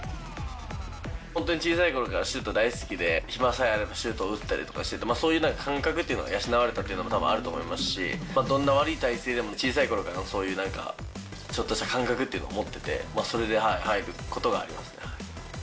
本当に小さいころからシュート大好きで、暇さえあればシュートを打ったりしてて、そういう感覚というのがたぶん養われたというのもたぶんあると思いますし、どんな悪い体勢でも、小さいころからのそういうなんか、ちょっとした感覚っていうの持ってて、それで入ることがありますね。